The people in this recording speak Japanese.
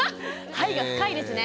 「はい」が深いですね。